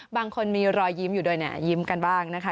บางคนมีรอยยิ้มอยู่ด้วยเนี่ยยิ้มกันบ้างนะคะ